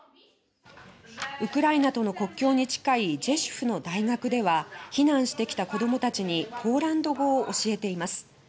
ウクライナとの国境に近いジェシュフの大学では避難してきた子どもたちにポーランド語を教えています。